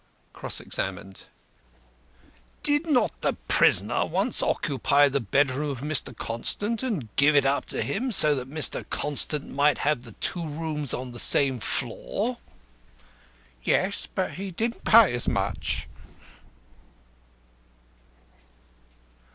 Cross examined: "Did not the prisoner once occupy the bedroom of Mr. Constant, and give it up to him, so that Mr. Constant might have the two rooms on the same floor?" "Yes, but he didn't pay as much."